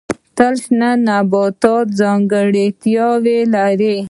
تل شنه نباتات څه ځانګړتیا لري؟